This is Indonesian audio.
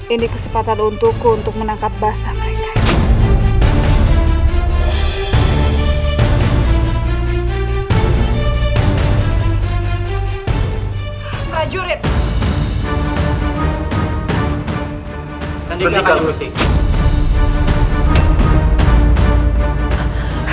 ini kesempatan untukku untuk menangkap basah mereka